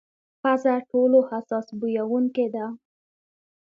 پزه ټولو حساس بویونکې ده.